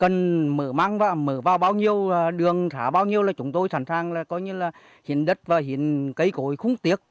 cần mở măng và mở vào bao nhiêu đường xã bao nhiêu là chúng tôi sẵn sàng là có nghĩa là hiện đất và hiện cây cối không tiếc